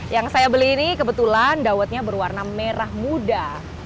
yang saya beli ini kebetulan dawetnya berwarna merah muda